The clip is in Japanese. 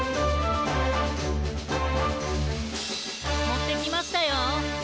もってきましたよ。